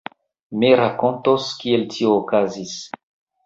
Mi rakontos, kiel tio okazis.